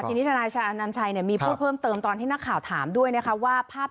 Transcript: ทีนี้ทนายอนัญชัยมีพูดเพิ่มเติมตอนที่นักข่าวถามด้วยนะคะว่าภาพ